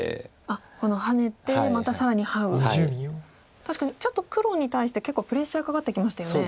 確かにちょっと黒に対して結構プレッシャーかかってきましたよね。